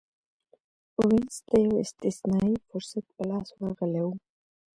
وینز ته یو استثنايي فرصت په لاس ورغلی و.